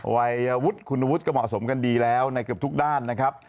วัยวุฒิคุณวุฒิก็เหมาะสมกันดีแล้วในเกือบทุกด้านนะครับ